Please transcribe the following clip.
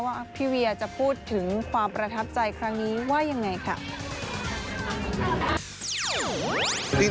ว่าพี่เวียจะพูดถึงความประทับใจครั้งนี้ว่ายังไงค่ะ